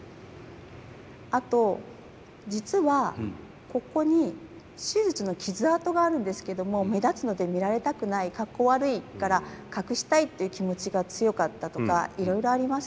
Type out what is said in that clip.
あと実はここに手術の傷痕があるんですけども目立つので見られたくないかっこ悪いから隠したいっていう気持ちが強かったとかいろいろあります。